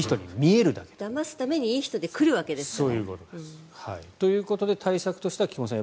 だますためにいい人で来るわけですから。ということで対策としては菊間さん